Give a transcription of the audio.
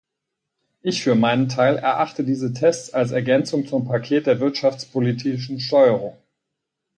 Ich für meinen Teil erachte diese Tests als Ergänzung zum Paket der wirtschaftspolitischen Steuerung.